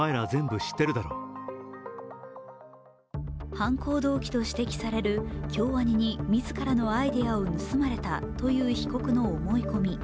犯行動機と指摘される京アニに自らのアイデアを盗まれたという被告の思い込み。